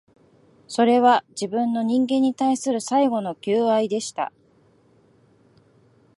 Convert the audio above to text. それは、自分の、人間に対する最後の求愛でした